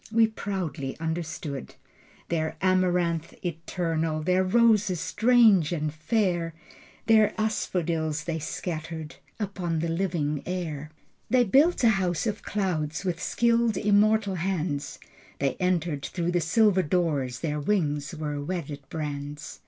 We proudly understood Their amaranth eternal, Their roses strange and fair, The asphodels they scattered Upon the living air. They built a house of clouds With skilled immortal hands. They entered through the silver doors. Their wings were wedded brands.